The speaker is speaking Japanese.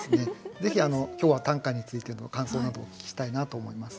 ぜひ今日は短歌についての感想などをお聞きしたいなと思います。